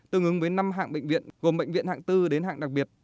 tương ứng với năm hạng bệnh viện gồm bệnh viện hạng bốn đến hạng đặc biệt